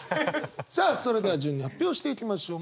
さあそれでは順に発表していきましょう。